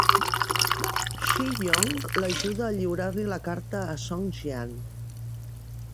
Shi Yong l'ajuda a lliurar-li la carta a Song Jiang.